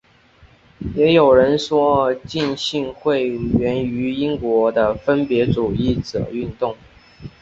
也有人说浸信会源于英国的分别主义者运动。